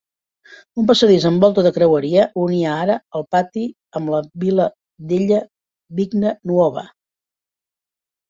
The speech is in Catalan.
Un passadís amb volta de creueria unia ara el pati amb la Via della Vigna Nuova.